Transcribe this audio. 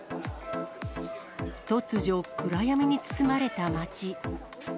突如、暗闇に包まれた街。